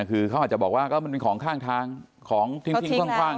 คือขอจะบอกว่ามันค่อยข้างของทิ้งขั้นข้าง